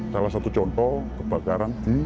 salah satu contoh kebakaran di